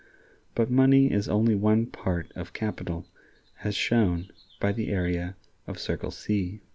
But money is only one part of capital, as shown by the area of circle C.